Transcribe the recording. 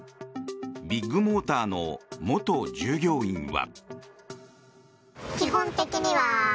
ビッグモーターの元従業員は。